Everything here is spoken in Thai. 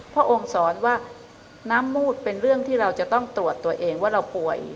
พระองค์สอนว่าน้ำมูดเป็นเรื่องที่เราจะต้องตรวจตัวเองว่าเราป่วย